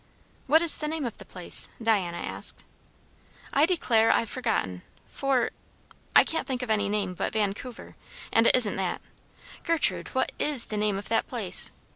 "What is the name of the place?" Diana asked. "I declare I've forgotten. Fort ,I can't think of any name but Vancouver, and it isn't that. Gertrude, what is the name of that place?